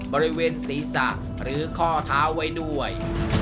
บริเวณศีรษะหรือข้อเท้าไว้ด้วย